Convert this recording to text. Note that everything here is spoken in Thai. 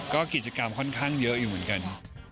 ก็กิจกรรมค่อนข้างเยอะอยู่เหมือนกัน